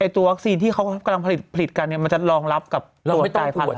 ตัววัคซีนที่เขากำลังผลิตกันมันจะรองรับกับตัวกลายพันธุ์